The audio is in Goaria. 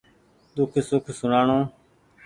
ۮوک سوک سوڻآڻو